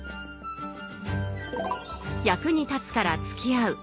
役に立つからつきあう